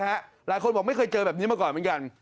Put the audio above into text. หลายคนบอกไม่เคยเจอแบบนี้มาก่อนเหมือนกัน